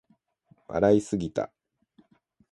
笑いすぎた